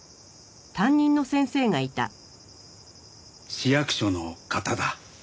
市役所の方だ。